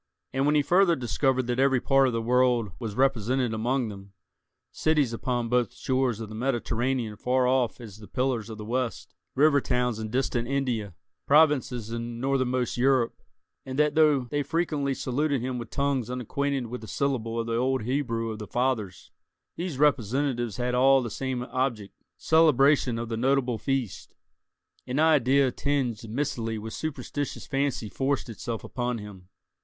And when he further discovered that every part of the world was represented among them—cities upon both shores of the Mediterranean far off as the Pillars of the West, river towns in distant India, provinces in northernmost Europe; and that, though they frequently saluted him with tongues unacquainted with a syllable of the old Hebrew of the fathers, these representatives had all the same object—celebration of the notable feast—an idea tinged mistily with superstitious fancy forced itself upon him.